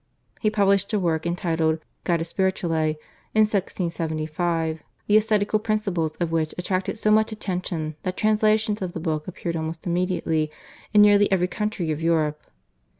He published a work entitled /Guida Spirituale/ in 1675, the ascetical principles of which attracted so much attention that translations of the book appeared almost immediately in nearly every country of Europe.